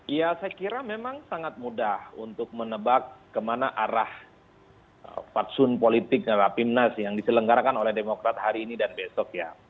ya saya kira memang sangat mudah untuk menebak kemana arah fatsun politik rapimnas yang diselenggarakan oleh demokrat hari ini dan besok ya